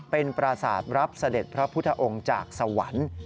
เป็นปราศาสตร์รับเสด็จพระพุทธองค์จากสวรรค์